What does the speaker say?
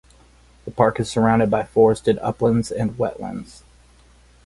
The park is surrounded by forested uplands and wetlands.